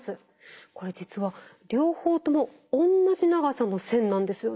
これ実は両方ともおんなじ長さの線なんですよね。